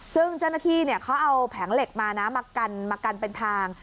ซึ่งเจ้าหน้าที่เขาเอาแผงเหล็กมานะมากันมากันเป็นทาง